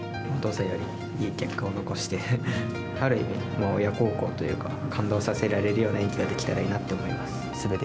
お父さんよりいい結果を残して、ある意味、親孝行というか、感動させられるような演技ができたらいいなって思います。